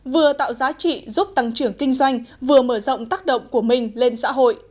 vừa tạo giá trị giúp tăng trưởng kinh doanh vừa mở rộng tác động của mình lên xã hội